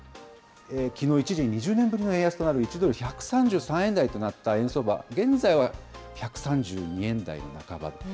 きのう一時２０年ぶりの円安となる１ドル１３３円台となった円相場、現在は１３２円台の半ば。